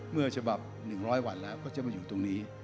เมื่อฉบับ๑๐๐วันแล้วก็จะมาอยู่ตรงนี้